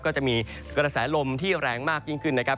ก็จะมีกระแสลมที่แรงมากยิ่งขึ้นนะครับ